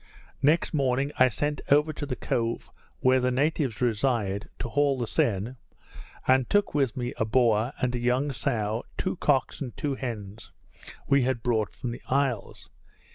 Next morning I sent over to the cove, where the natives reside, to haul the seine; and took with me a boar, and a young sow, two cocks, and two hens, we had brought from the isles.